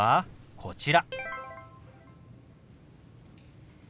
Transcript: こちら。